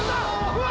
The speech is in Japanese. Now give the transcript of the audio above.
うわ！